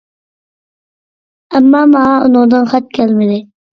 ئەمما، ماڭا ئۇنىڭدىن خەت كەلمىدى.